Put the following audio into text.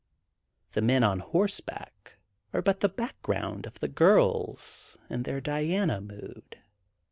The men on horseback are but the back ground of the girls in their Diana mood.